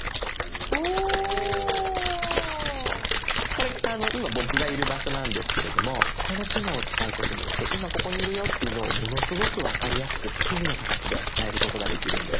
これ今僕がいる場所なんですけれどもこの機能を使うことによって今ここにいるよっていうのをものすごく分かりやすく地図の形で伝えることができるんです。